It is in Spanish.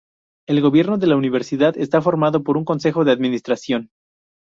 El gobierno de la universidad está formado por un Consejo de Administración.